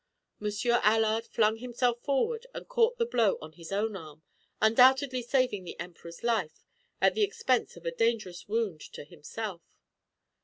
Monsieur Allard flung himself forward and caught the blow on his own arm, undoubtedly saving the Emperor's life at the expense of a dangerous wound to himself.